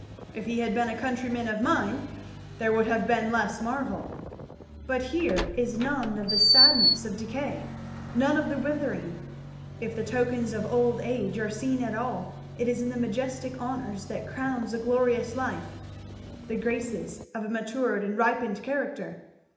"If he had been a countryman of mine there would have been less marvel. But here is none of the sadness of decay none of the withering if the tokens of old age are seen at all it is in the majestic honours that crown a glorious life the graces of a matured and ripened character.